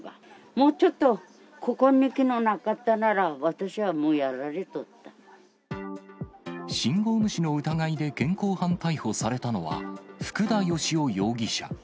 もうちょっと、ここのなかったら、信号無視の疑いで現行犯逮捕されたのは、福田慶生容疑者。